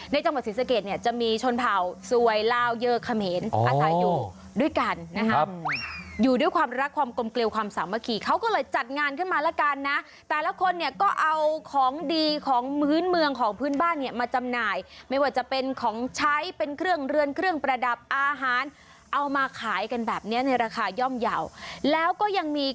จังหวัดศรีสะเกดเนี่ยจะมีชนเผ่าสวยลาวเยอะเขมรอาศัยอยู่ด้วยกันนะครับอยู่ด้วยความรักความกลมเกลียวความสามัคคีเขาก็เลยจัดงานขึ้นมาแล้วกันนะแต่ละคนเนี่ยก็เอาของดีของพื้นเมืองของพื้นบ้านเนี่ยมาจำหน่ายไม่ว่าจะเป็นของใช้เป็นเครื่องเรือนเครื่องประดับอาหารเอามาขายกันแบบเนี้ยในราคาย่อมเยาว์แล้วก็ยังมี